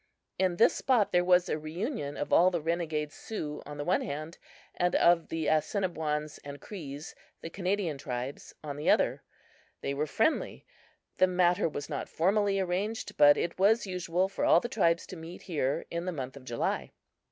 In this spot there was a reunion of all the renegade Sioux on the one hand and of the Assiniboines and Crees, the Canadian tribes, on the other. They were friendly. The matter was not formally arranged, but it was usual for all the tribes to meet here in the month of July.